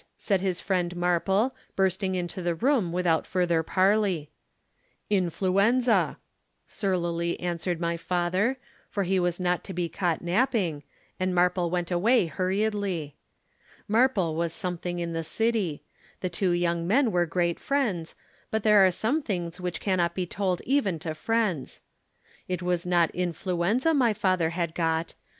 said his friend Marple, bursting into the room without further parley. "'"Influenza," surlily answered my father, for he was not to be caught napping, and Marple went away hurriedly. Marple was something in the city. The two young men were great friends, but there are some things which cannot be told even to friends. It was not influenza my father had got.